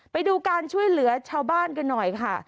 ไปดูการช่วยเหลือชาวบ้านกันหน่อยค่ะ